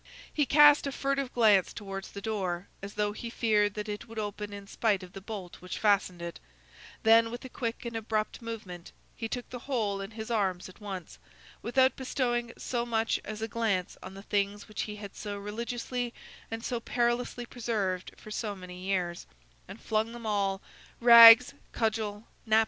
He cast a furtive glance towards the door, as though he feared that it would open in spite of the bolt which fastened it; then, with a quick and abrupt movement, he took the whole in his arms at once, without bestowing so much as a glance on the things which he had so religiously and so perilously preserved for so many years, and flung them all, rags, cudgel, knapsack, into the fire.